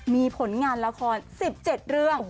มีผลงานละคร๑๗เรื่อง